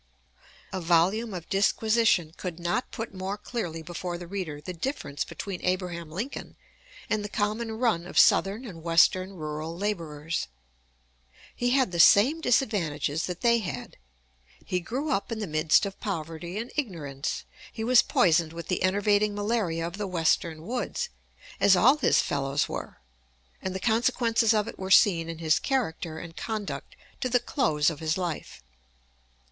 A volume of disquisition could not put more clearly before the reader the difference between Abraham Lincoln and the common run of Southern and Western rural laborers. He had the same disadvantages that they had. He grew up in the midst of poverty and ignorance; he was poisoned with the enervating malaria of the Western woods, as all his fellows were, and the consequences of it were seen in his character and conduct to the close of his life.